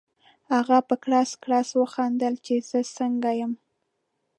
هغه په کړس کړس وخندل چې زه څنګه یم؟